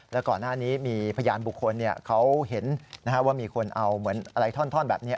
แล้วก่อนหน้านี้มีพยานบุคคลเขาเห็นว่ามีคนเอาเหมือนอะไรท่อนแบบนี้